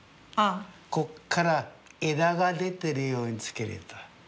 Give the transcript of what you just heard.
こっから枝が出てるようにつけると。